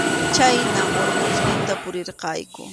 Chhaynam Urqusninta puririrqayku.